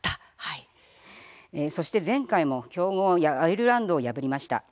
そして前回も強豪アイルランドを破りました。